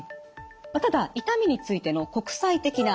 ただ痛みについての国際的な学会